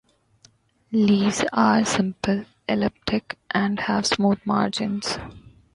Leaves are simple, elliptic, and have smooth margins.